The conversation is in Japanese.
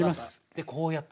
でこうやって。